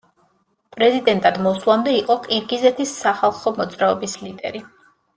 პრეზიდენტად მოსვლამდე იყო ყირგიზეთის სახალხო მოძრაობის ლიდერი.